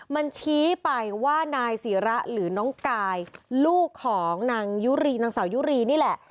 มันชี้ไปว่านายศิระหรือน้องกายลูกของนางยุรีนางสาวยุรีนี่แหละ